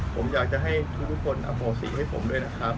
ผมอยากจะให้ทุกคนอโหสิให้ผมด้วยนะครับ